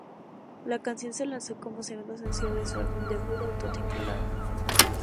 La canción se lanzó como segundo sencillo de su álbum debut auto-titulado.